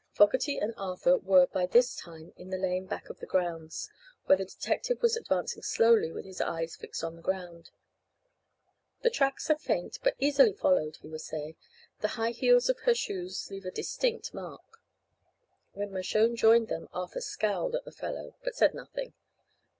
Fogerty and Arthur were by this time in the lane back of the grounds, where the detective was advancing slowly with his eyes fixed on the ground. "The tracks are faint, but easily followed," he was saying, "The high heels of her shoes leave a distinct mark." When Mershone joined them Arthur scowled at the fellow but said nothing.